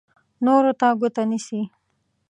نورو ته ګوته نیسي.